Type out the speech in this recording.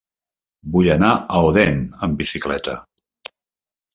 Vull anar a Odèn amb bicicleta.